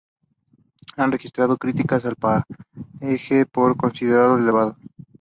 They were led by third–year head coach Lee Owens.